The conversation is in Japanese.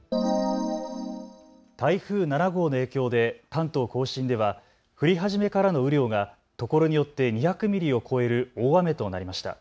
台風７号の影響で関東甲信では降り始めからの雨量がところによって２００ミリを超える大雨となりました。